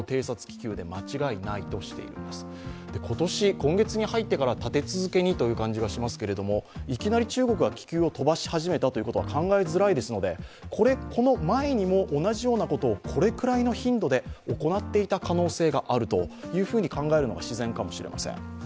今月に入ってから立て続けにという感じがしますけれどもいきなり中国が気球を飛ばし始めたということは考えづらいですのでこの前にも同じようなことをこれくらいの頻度で行っていた可能性があるというふうに考えるのが自然かもしれません。